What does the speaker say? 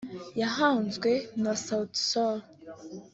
yahanzwe na Sauti Sol